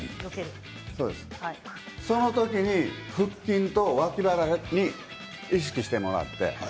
その時に腹筋と脇腹を意識してもらって。